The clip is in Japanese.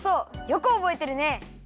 よくおぼえてるね。